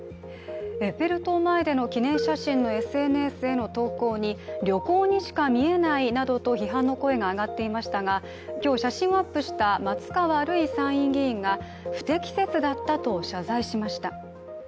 エッフェル塔前でのＳＮＳへの記念写真の投稿について、旅行にしか見えないなどと批判の声が上がっていましたが、今日写真をアップした松川るい参院議員が不適切だったと謝罪しました。